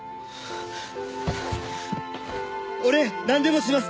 俺なんでもします！